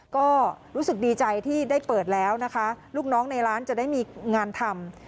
ก็รู้สึกดีใจที่ได้เปิดแล้วนะคะลูกน้องในร้านจะได้มีงานทำ